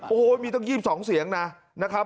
โอ้โหมีตั้ง๒๒เสียงนะครับ